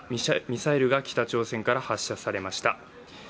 ミサイルが北朝鮮から発射されました。